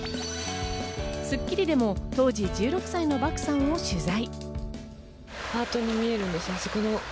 『スッキリ』でも当時１６歳の漠さんを取材。